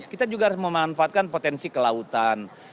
kita juga harus memanfaatkan potensi kelautan